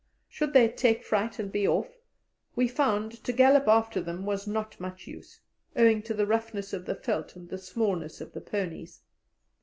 Should they take fright and be off, we found to gallop after them was not much use, owing to the roughness of the veldt and the smallness of the ponies.